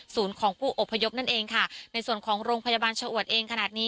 ของผู้อบพยพนั่นเองค่ะในส่วนของโรงพยาบาลชะอวดเองขนาดนี้